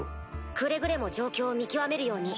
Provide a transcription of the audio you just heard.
くれぐれも状況を見極めるように。